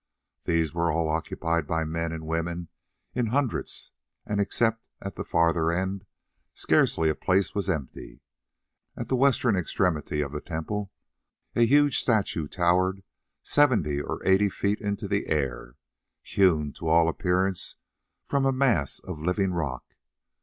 These were all occupied by men and women in hundreds, and, except at the further end, scarcely a place was empty. At the western extremity of the temple a huge statue towered seventy or eighty feet into the air, hewn, to all appearance, from a mass of living rock.